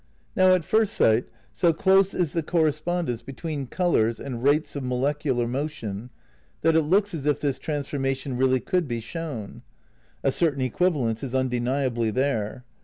Now, at first sight, so dose is the correspondence be tween colours and rates of molecular motion, that it looks as if this transformation really could be shown ; a certain equivalence is undeniably there.